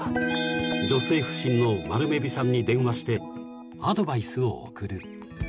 ［女性不信のまるめびさんに電話してアドバイスを送る］